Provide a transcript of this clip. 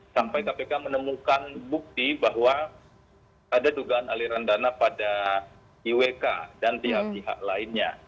sampai kpk menemukan bukti bahwa ada dugaan aliran dana pada iwk dan pihak pihak lainnya